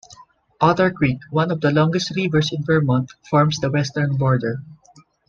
Otter Creek, one of the longest rivers in Vermont, forms the western border.